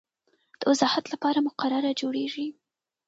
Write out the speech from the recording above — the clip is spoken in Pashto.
د وضاحت لپاره مقرره جوړیږي.